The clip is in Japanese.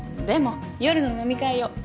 でも夜の飲み会用。